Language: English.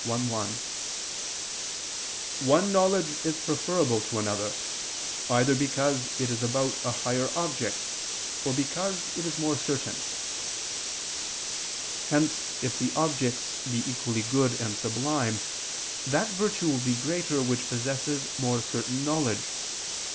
1), "one knowledge is preferable to another, either because it is about a higher object, or because it is more certain." Hence if the objects be equally good and sublime, that virtue will be greater which possesses more certain knowledge.